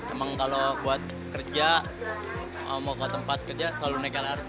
emang kalau buat kerja mau ke tempat kerja selalu naik lrt